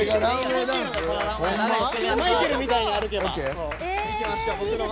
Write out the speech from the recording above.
マイケルみたいに歩けば。